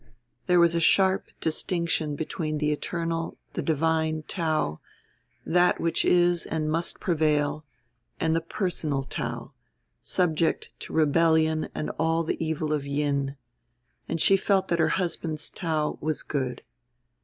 There was a sharp distinction between the eternal, the divine, Tao, that which is and must prevail, and the personal Tao, subject to rebellion and all the evil of Yin; and she felt that her husband's Tao was good.